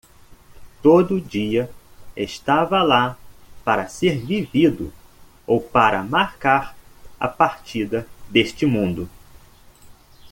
Todo dia estava lá para ser vivido ou para marcar a partida deste mundo.